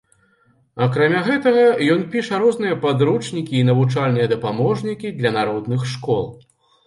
Акрамя гэтага, ён піша розныя падручнікі і навучальныя дапаможнікі для народных школ.